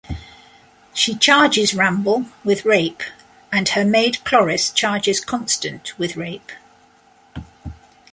She charges Ramble with rape, and her maid Cloris charges Constant with rape.